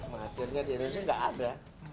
mahathirnya di indonesia nggak ada